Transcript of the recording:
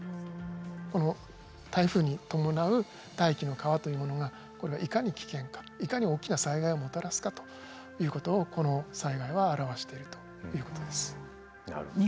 この台風に伴う大気の河というものがこれがいかに危険かいかに大きな災害をもたらすかということをこの災害は表しているということです。